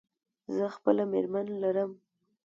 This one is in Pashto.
زه خپله مېرمن لرم.